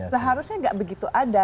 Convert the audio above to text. seharusnya gak begitu ada